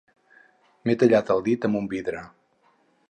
M'he tallat el dit amb un vidre.